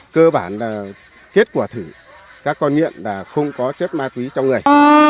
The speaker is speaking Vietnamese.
cơ bản là kết quả thử các con nhiện là không có chất ma quý trong người